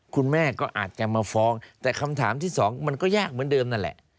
คุณแม่ก็อาจจะมาฟ้องแต่คำถามที่สองมันก็ยากเหมือนเดิมนั่นแหละ